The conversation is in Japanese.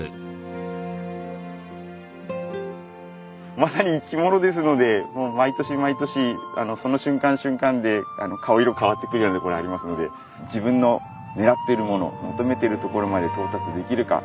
まさに生き物ですのでもう毎年毎年その瞬間瞬間で顔色変わってくるようなところありますので自分のねらってるもの求めてるところまで到達できるか